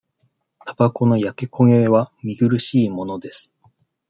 たばこの焼け焦げは、見苦しいものです。